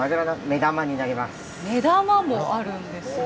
目玉もあるんです。